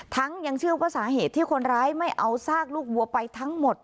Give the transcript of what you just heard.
ยังเชื่อว่าสาเหตุที่คนร้ายไม่เอาซากลูกวัวไปทั้งหมด